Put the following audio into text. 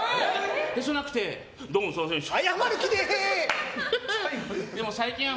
ヘソなくてどうもすみませんでした。